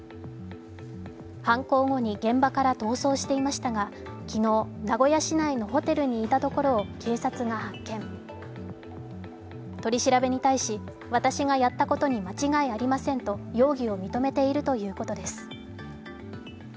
犯行後に現場から逃走していましたが昨日、名古屋市内のホテルにいたところを警察が発見取り調べに対し、私がやったことに間違いありませんと容疑を認めているということです。